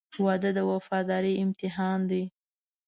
• واده د وفادارۍ امتحان دی.